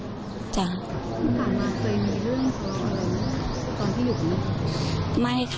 คุณฝังมามันเคยมีเรื่องของอะไรตอนที่อยู่หรือ